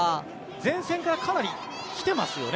前線からかなり来てますよね。